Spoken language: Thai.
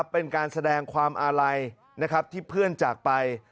เป็นการแสดงความอาลัยที่เพื่อนจากไป